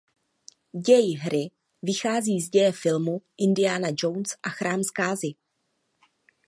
Děj hry vychází z děje filmu Indiana Jones a chrám zkázy.